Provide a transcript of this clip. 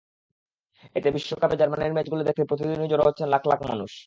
এতে বিশ্বকাপে জার্মানির ম্যাচগুলো দেখতে প্রতিদিনই জড়ো হচ্ছেন লাখ লাখ মানুষ।